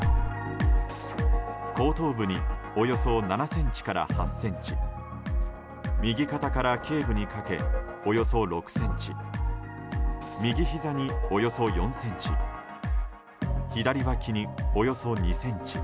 後頭部におよそ７ｃｍから８ｃｍ右肩から頸部にかけおよそ６ｃｍ右ひざにおよそ４ｃｍ左脇におよそ２ｃｍ。